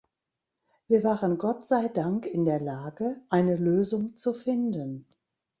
Wir waren Gott sei Dank in der Lage, eine Lösung zu finden.